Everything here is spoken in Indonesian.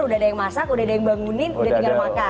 udah ada yang masak udah ada yang bangunin